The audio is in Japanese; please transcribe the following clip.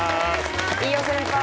飯尾先輩